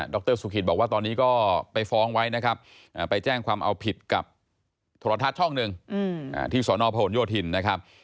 รสุขิตบอกว่าตอนนี้ก็ไปฟ้องไว้นะครับไปแจ้งความเอาผิดกับโทรทัศน์ช่องหนึ่งที่สนพโยธินนะครับ